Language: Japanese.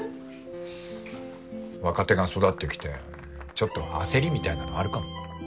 ・シー・若手が育ってきてちょっと焦りみたいなのあるかも。